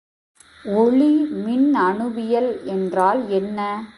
ஒளிமின்னணுவியல் என்றால் என்ன?